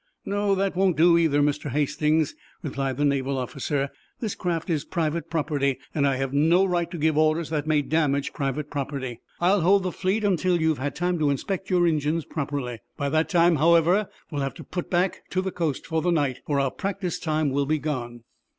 "No; that won't do either, Mr. Hastings," replied the naval officer. "This craft is private property, and I have no right to give orders that may damage private property. I'll hold the fleet until you've had time to inspect your engines properly. By that time, however, we'll have to put back to the coast for the night, for our practice time will be gone."